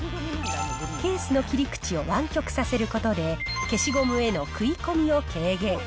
ケースの切り口を湾曲させることで、消しゴムへの食い込みを軽減。